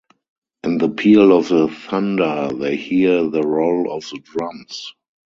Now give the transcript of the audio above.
In the peal of the thunder they hear the roll of the drums.